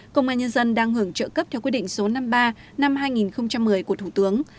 công an nhân dân đang hưởng trợ cấp theo quy định số năm mươi ba năm hai nghìn một mươi của thủ tướng